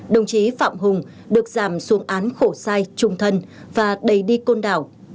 đồng chí phạm hùng được giảm xuống án khổ sai trung thân và đầy đi côn đảo